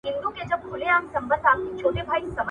ته ولي قلمان کاروې!.